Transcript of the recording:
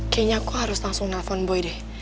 kayanya aku harus langsung nelfon boy deh